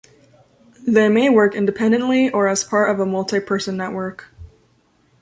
They may work independently, or as part of a multi-person network.